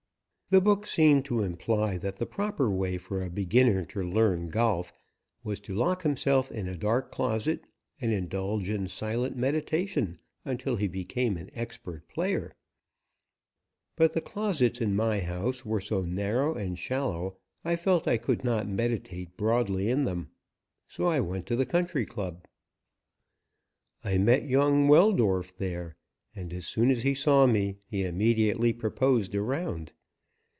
The book seemed to imply that the proper way for a beginner to learn golf was to lock himself in a dark closet and indulge in silent meditation until he became an expert player, but the closets in my house were so narrow and shallow I felt I could not meditate broadly in them. So I went to the Country Club. I met young Weldorf there, and as soon as he saw me he immediately proposed a round.